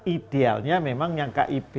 idealnya memang yang kib